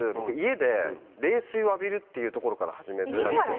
いうところから始めたんですよ。